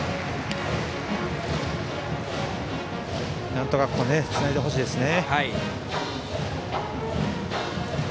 なんとかここはつないでほしいですね。